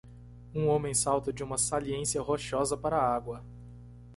Um homem salta de uma saliência rochosa para a água.